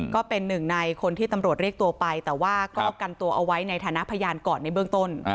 ก็เป็นหนึ่งในคนที่ตำรวจเรียกตัวไปแต่ว่าก็กันตัวเอาไว้ในฐานะพยานก่อนในเบื้องต้น